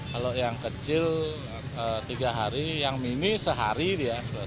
kalau yang kecil tiga hari yang mini sehari dia